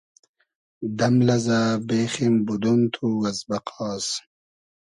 دئم لئزۂ بېخیم بودۉن تو از بئقاس